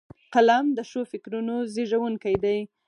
قلم د ښو فکرونو زیږوونکی دی